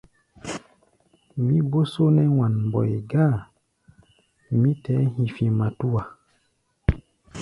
Mí bó só nɛ́ wan-mbɔi gáa, mí tɛɛ́ hi̧fi̧ matúa.